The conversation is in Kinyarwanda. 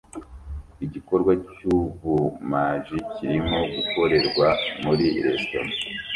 Igikorwa cyubumaji kirimo gukorerwa muri resitora